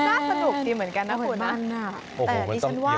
ค่ะโอ้โฮน่าสนุกดีเหมือนกันนะฟุนนะโอ้โฮมันต้องเตียงตัวเนี่ย